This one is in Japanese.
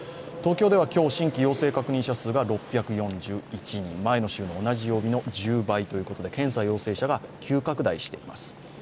東京では今日新規陽性確認者が６４１人、前の週の同じ曜日の１０倍ということで検査陽性者が急拡大しています。